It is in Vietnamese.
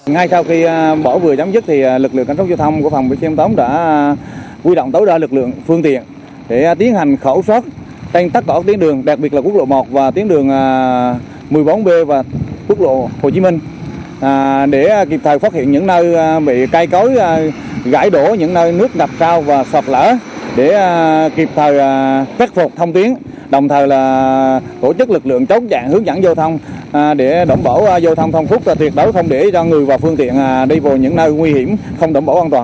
ngay sau khi bão vừa chấm dứt lực lượng cảnh sát giao thông đã huy động tối đa lực lượng phương tiện để tiến hành khẩu soát tắt tỏa tiến đường đặc biệt là quốc lộ một và tiến đường một mươi bốn b và quốc lộ hồ chí minh để kịp thời phát hiện những nơi bị cây cối gãi đổ những nơi nước đập cao và sọt lở để kịp thời cắt phục thông tuyến đồng thời tổ chức lực lượng chống dạng hướng dẫn giao thông để đổng bỏ giao thông thông phúc